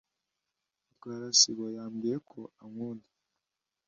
Mutwara sibo yambwiye ko ankunda.